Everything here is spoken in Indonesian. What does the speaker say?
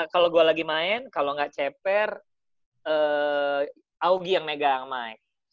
kalau gue lagi main kalau nggak ceper augie yang megang mic